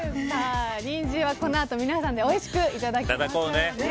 ニンジンは、この後皆さんでおいしくいただきます。